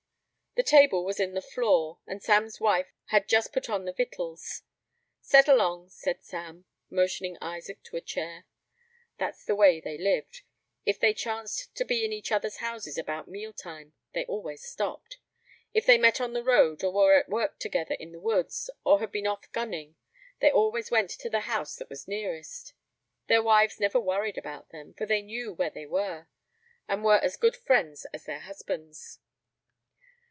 The table was in the floor, and Sam's wife had just put on the victuals. "Set along," said Sam, motioning Isaac to a chair. That's the way they lived. If they chanced to be in each other's houses about meal time, they always stopped. If they met on the road, or were at work together in the woods, or had been off gunning, they always went to the house that was nearest. Their wives never worried about them, for they knew where they were, and were as good friends as their husbands.